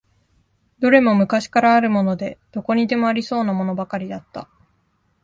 どれも昔からあるもので、どこにでもありそうなものばかりだった。